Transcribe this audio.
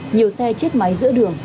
nhiều xe chết máy giữa đường